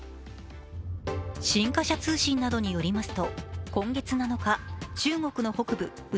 新華社通信などによりますと、今月７日中国の北部・内